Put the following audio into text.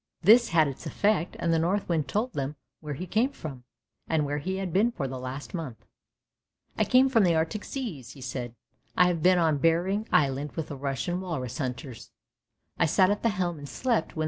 " This had its effect, and the Northwind told them where he came from, and where he had been for the last month. " I come from the Arctic seas," he said. " I have been on Behring Island with the Russian walrus hunters. I sat at the helm and slept when.